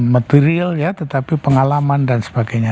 material ya tetapi pengalaman dan sebagainya